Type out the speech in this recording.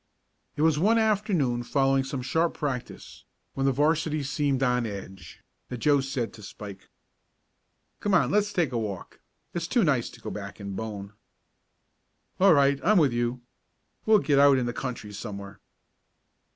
It was one afternoon following some sharp practice, when the 'varsity seemed on edge, that Joe said to Spike: "Come on, let's take a walk. It's too nice to go back and bone." "All right I'm with you. We'll get out in the country somewhere."